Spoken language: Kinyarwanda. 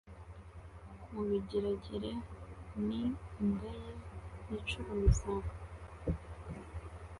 Mu bigeregere ni indeye yicuruze